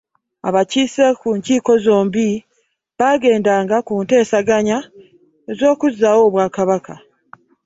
Abakiise mu nkiiko zombi baagendanga mu nteeseganya z'okuzzaawo Obwakabaka.